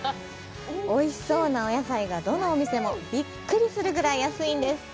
おいしそうなお野菜が、どのお店もビックリするくらい安いんです！